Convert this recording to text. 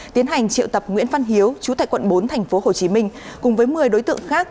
tiến hành triệu tập nguyễn văn hiếu chủ tịch quận bốn tp hồ chí minh cùng với một mươi đối tượng khác